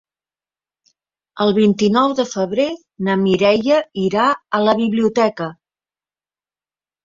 El vint-i-nou de febrer na Mireia irà a la biblioteca.